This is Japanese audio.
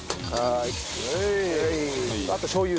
あとしょう油。